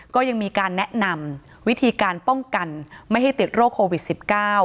ก็ยังมีการแนะนำวิธีการป้องกันไม่ให้ติดโรคโควิด๑๙